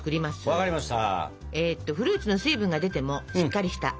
分かりました。